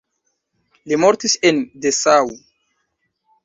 Li mortis en Dessau.